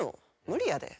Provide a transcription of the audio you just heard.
無理やで。